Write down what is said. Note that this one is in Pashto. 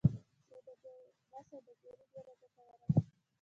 دا سوداګري ډیره ګټوره ده.